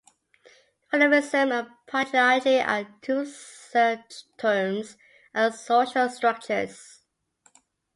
feminism اور patriarchy دو ایسی اصطلاحات ہیں جو معاشرتی ڈھانچے